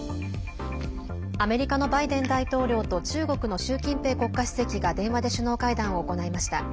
アメリカのバイデン大統領と中国の習近平国家主席が電話で首脳会談を行いました。